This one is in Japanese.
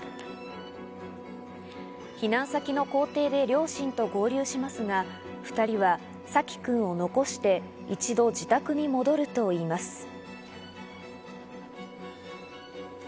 避難先の校庭で両親と合流しますが、２人はさき君を残して一度自宅に戻ると言います。